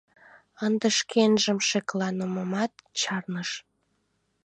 Ынде шкенжым шекланымымат чарныш.